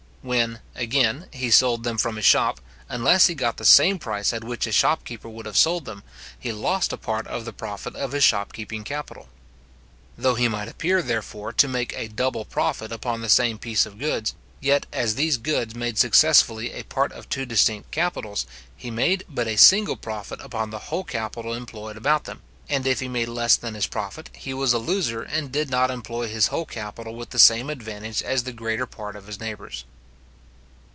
When, again, he sold them from his shop, unless he got the same price at which a shopkeeper would have sold them, he lost a part of the profit of his shop keeping capital. Though he might appear, therefore, to make a double profit upon the same piece of goods, yet, as these goods made successively a part of two distinct capitals, he made but a single profit upon the whole capital employed about them; and if he made less than his profit, he was a loser, and did not employ his whole capital with the same advantage as the greater part of his neighbours.